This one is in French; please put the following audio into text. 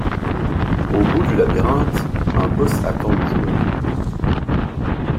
Au bout du labyrinthe, un boss attend le joueur.